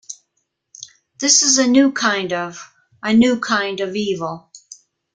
This is a new kind of -- a new kind of evil.